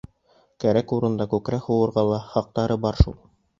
Кәрәк урында күкрәк һуғырға ла хаҡтары бар шул.